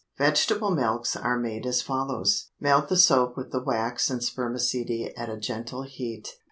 Vegetable milks are made as follows. Melt the soap with the wax and spermaceti at a gentle heat.